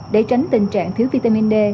để tránh tình trạng thiếu vitamin d